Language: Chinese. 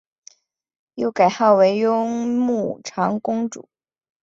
又改号为雍穆长公主。